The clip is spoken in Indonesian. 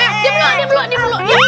aku duluan aku duluan